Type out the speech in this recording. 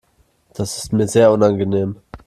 Das ist mir sehr unangenehm.